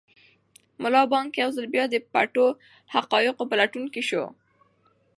ملا بانګ یو ځل بیا د پټو حقایقو په لټون کې شو.